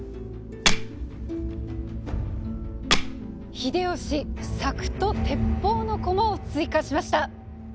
秀吉「柵」と「鉄砲」の駒を追加しました！